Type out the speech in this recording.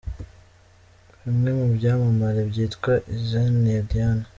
Bimwe mu byamamare byitwa izina Diane.